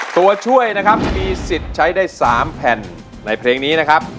ตัวช่วยนะครับมีสิทธิ์ใช้ได้๓แผ่นในเพลงนี้นะครับ